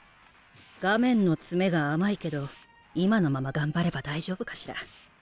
画面の詰めが甘いけど今のまま頑張れば大丈夫かしら。